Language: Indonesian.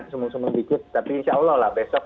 semua semua dikit tapi insya allah lah besok